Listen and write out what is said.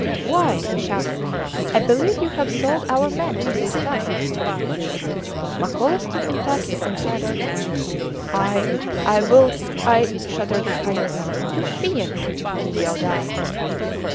Why! he shouted, I believe you have sold our men for these tusks! Makola stood impassive and silent. I I will I, stuttered Kayerts. You fiend! he yelled out.